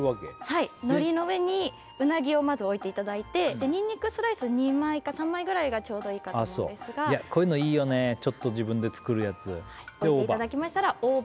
はい海苔の上にうなぎをまず置いていただいてニンニクスライス２枚か３枚ぐらいがちょうどいいかと思うんですがこういうのいいよねちょっと自分で作るやつで大葉？